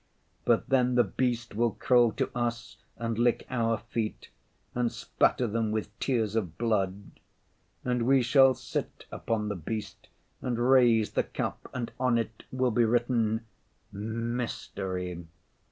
But then the beast will crawl to us and lick our feet and spatter them with tears of blood. And we shall sit upon the beast and raise the cup, and on it will be written, "Mystery."